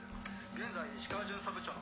現在石川巡査部長の。